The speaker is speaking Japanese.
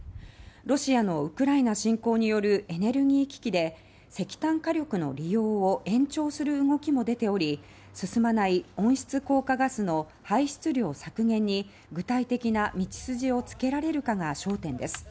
ロシアのウクライナ侵攻によるエネルギー危機で石炭火力の利用を延長する動きも出ており進まない温室効果ガスの排出量削減に具体的な道筋をつけられるかが焦点です。